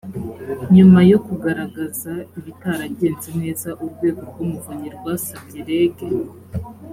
nyuma yo kugaragaza ibitaragenze neza urwego rw umuvunyi rwasabye reg